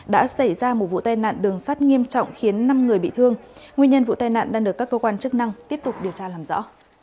đã xảy ra một vụ tai nạn đường sắt nghiêm trọng khiến năm người bị thương nguyên nhân vụ tai nạn đang được các cơ quan chức năng tiếp tục điều tra làm rõ